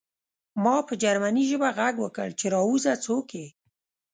ما په جرمني ژبه غږ وکړ چې راوځه څوک یې